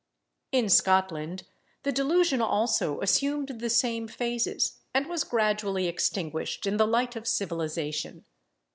In Scotland, the delusion also assumed the same phases, and was gradually extinguished in the light of civilisation.